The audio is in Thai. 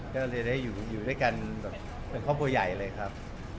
ก็เลยได้อยู่ด้วยกันแบบเป็นครอบครัวใหญ่เลยครับ